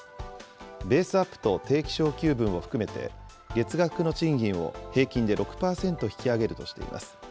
ベースアップと定期昇給分を含めて、月額の賃金を平均で６％引き上げるとしています。